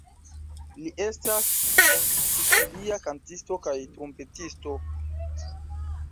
Li estas sicilia kantisto kaj trumpetisto.